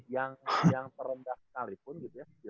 yang terendah sekalipun gitu ya